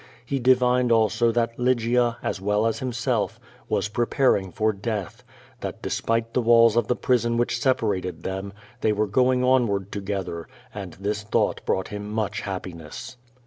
He divined also that Lygia, as well as himself, was preparing for death; that despite the walls of the prison which separated them, they M'ere going onward together, and this thought brought him much happiness.